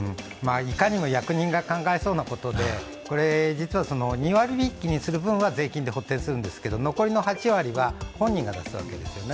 いかにも役人が考えそうなことで、実は２割引にする分は、税金で補填するんですけど残りの８割は本人が出すわけです。